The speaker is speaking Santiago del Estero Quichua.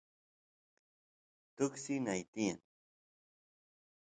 tuksi nay tiyan